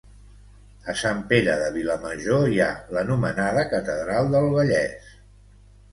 A Sant Pere de Vilamajor hi ha l'anomenada catedral del Vallès